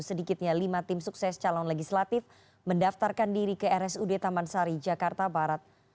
sedikitnya lima tim sukses calon legislatif mendaftarkan diri ke rsud taman sari jakarta barat